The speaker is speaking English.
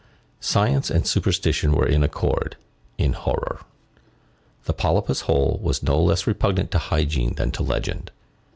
Science and superstition were in accord, in horror. The Polypus hole was no less repugnant to hygiene than to legend.